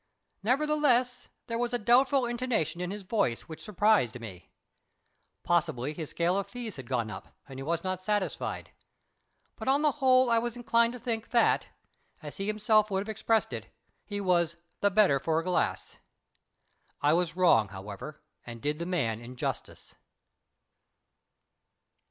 Nevertheless, there was a doubtful intonation in his voice which surprised me. Possibly his scale of fees had gone up, and he was not satisfied; but on the whole I was inclined to think that, as he himself would have expressed it, he was "the better for a glass." I was wrong, however, and did the man injustice.